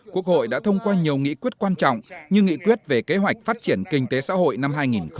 quốc hội đã thông qua nhiều nghị quyết quan trọng như nghị quyết về kế hoạch phát triển kinh tế xã hội năm hai nghìn hai mươi